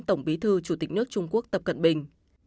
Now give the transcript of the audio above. tổng bí thư chủ tịch nước trung quốc tập cận bình